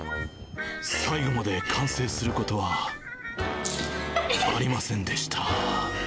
最後まで完成することは、ありませんでした。